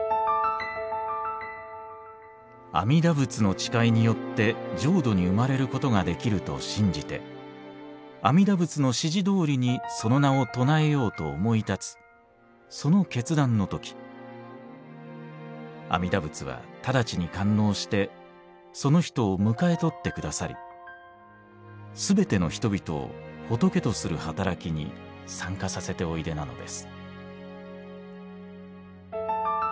「阿弥陀仏の誓いによって浄土に生まれることができると信じて阿弥陀仏の指示どおりにその名を称えようと思い立つその決断の時阿弥陀仏はただちに感応してその人を迎えとって下さり全ての人々を仏とする働きに参加させておいでなのです」。